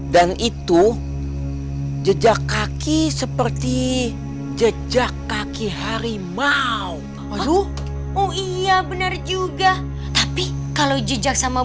dan itu jejak kaki seperti jejak kaki harimau aduh oh iya bener juga tapi kalau jejak sama